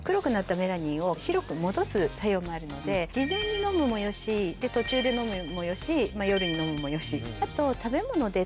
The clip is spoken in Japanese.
白く戻す作用もあるので事前に飲むもよし途中で飲むもよし夜に飲むもよし。